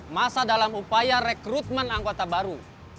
masa dalam upaya rekrutmen anggota baru